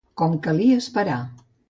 Com calia esperar.